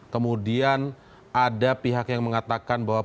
kemudian ada pihak yang mengatakan bahwa